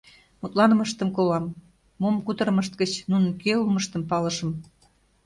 Мутланымыштым колам: мом кутырымышт гыч нунын кӧ улмыштым палышым.